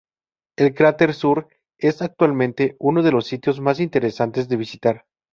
El cráter sur es, actualmente, uno de los sitios más interesantes de visitar.